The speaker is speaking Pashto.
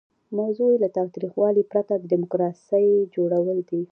موضوع یې له تاوتریخوالي پرته د ډیموکراسۍ جوړول دي.